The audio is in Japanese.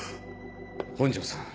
本城さん